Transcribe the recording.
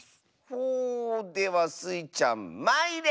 ほではスイちゃんまいれ！